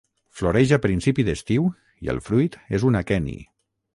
Floreix a principi d'estiu i el fruit és un aqueni.